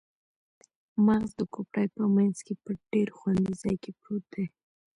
مغز د کوپړۍ په مینځ کې په ډیر خوندي ځای کې پروت دی